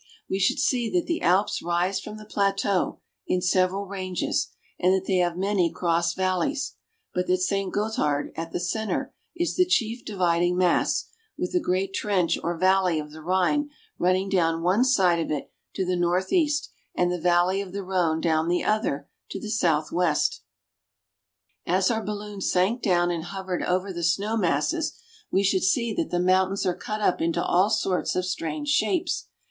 We should see that the Alps rise from the plateau, in several ranges ; and that they have many cross valleys ; but that Saint Gothard at the center is the chief dividing mass, with the great trench or valley of the Rhine running down one side of it to the north east and the valley of the Rhone down the other to the southwest. As our balloon sank down and hovered over the snow masses, we should see that the mountains are cut up into all sorts of strange shapes.